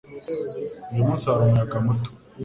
Uyu munsi hari umuyaga muto